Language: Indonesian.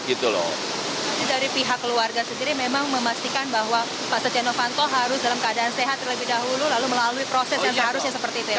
jadi dari pihak keluarga sendiri memang memastikan bahwa pak sn harus dalam keadaan sehat terlebih dahulu lalu melalui proses yang seharusnya seperti itu ya